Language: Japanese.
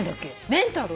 「メンタル」？